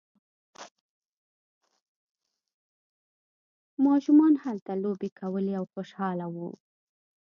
ماشومان هلته لوبې کولې او خوشحاله وو.